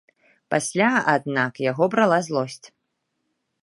Пасля, аднак, яго брала злосць.